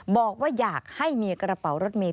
บอกว่าอยากให้มีกระเป๋ารถเมย